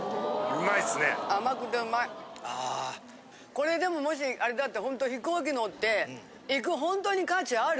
これでももしホント飛行機乗って行くホントに価値ある！